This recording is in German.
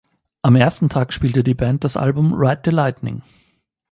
Am ersten Tag spielte die Band das Album "Ride the Lightning".